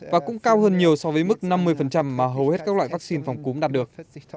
và cũng cao hơn nhiều so với mức năm mươi mà hầu hết các loại vaccine phòng cúm đạt được